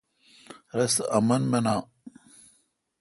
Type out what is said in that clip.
رستہ آمن مینا۔